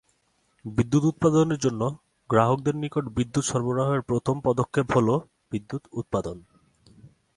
বিদ্যুৎ উৎপাদনের জন্য, গ্রাহকদের নিকট বিদ্যুৎ সরবরাহের প্রথম পদক্ষেপ হলোঃ বিদ্যুৎ উৎপাদন।